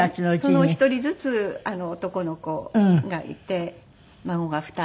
その１人ずつ男の子がいて孫が２人。